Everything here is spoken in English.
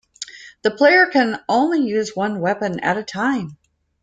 The player can only use one weapon at a time.